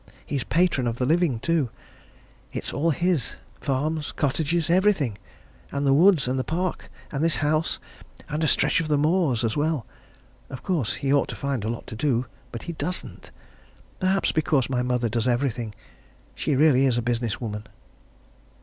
He's patron of the living, too. It's all his farms, cottages, everything. And the woods, and the park, and this house, and a stretch of the moors, as well. Of course, he ought to find a lot to do but he doesn't. Perhaps because my mother does everything. She really is a business woman."